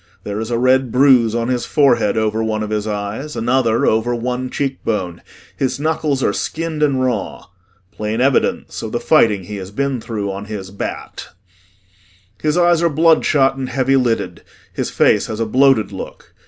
There is a red bruise on his forehead over one of his eyes, another over one cheekbone, his knuckles are skinned and raw plain evidence of the fighting he has been through on his "bat." His eyes are bloodshot and heavy lidded, his face has a bloated look.